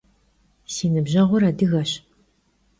Si nıbjeğur adıgeş.